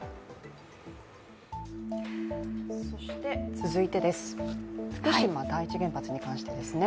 そして、福島第一原発に関してですね。